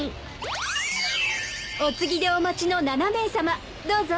お次でお待ちの７名さまどうぞ。